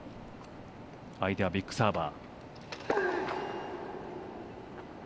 相手はビッグサーバー。